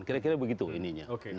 kira kira begitu ininya